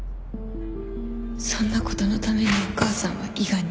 そんなことのためにお母さんは伊賀に